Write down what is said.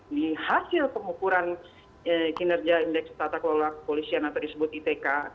di hasil pengukuran kinerja indeks tata kelola kepolisian atau disebut itk